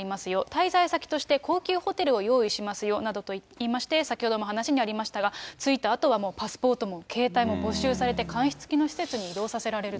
滞在先として高級ホテルを用意しますよなどといいまして、先ほども話にありましたが、着いたあとは、もうパスポートも携帯も没収されて、監視付きの施設に移動させられると。